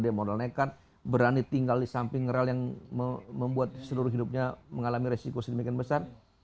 dia modal nekat berani tinggal di samping rel yang membuat seluruh hidupnya mengalami resiko sedemikian besar